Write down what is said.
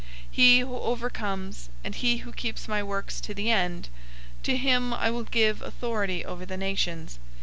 002:026 He who overcomes, and he who keeps my works to the end, to him I will give authority over the nations.